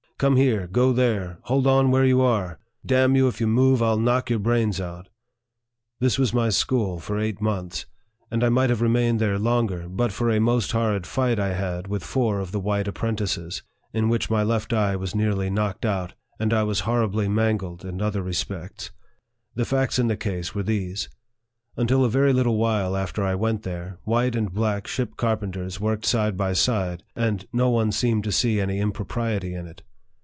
" Come here ! Go there ! Hold oq LIFE OF FREDERICK DOUGLASS. 95 where you are ! Damn you, if you move, I'll knock your brains out !" This was my school for eight months ; and I might have remained there longer, but for a most horrid fight I had with four of the white apprentices, in which my left eye was nearly knocked out, and I was hor ribly mangled in other respects. The facts in the case were these : Until a very little while after I went there, white and black ship carpenters worked side by side, and no one seemed to see any impropriety in it.